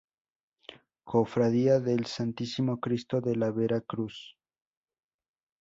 Cofradía del Santísimo Cristo de la Vera Cruz.